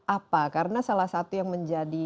apa karena salah satu yang menjadi